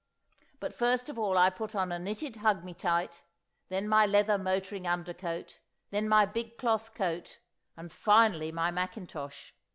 But first of all I put on a knitted hug me tight; then my leather motoring undercoat; then my big cloth coat; and finally, my mackintosh.